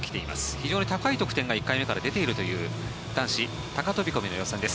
非常に高い得点が１回目から出ているという男子高飛込の予選です。